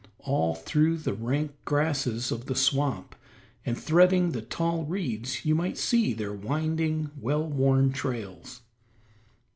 All through the rank grasses of the swamp, and threading the tall reeds you might see their winding, well worn trails.